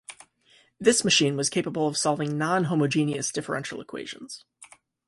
This machine was capable of solving non-homogeneous differential equations.